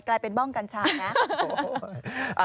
กลายเป็นบ้องกัญชานะ